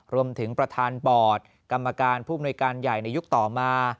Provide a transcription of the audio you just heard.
รวมถึงประธานบอร์ดกรรมการผู้มนุยการใหญ่ในยุคต่อมา